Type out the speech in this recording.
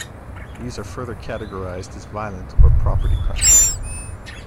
These are further categorized as violent or property crimes.